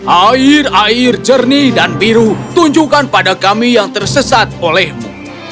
air air jernih dan biru tunjukkan pada kami yang tersesat olehmu